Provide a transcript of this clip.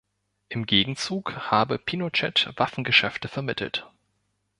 Im Gegenzug habe Pinochet Waffengeschäfte vermittelt.